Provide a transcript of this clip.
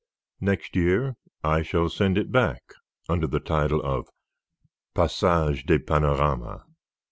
Next year I shall send it back under the title of 'Passage des Panoramas.'"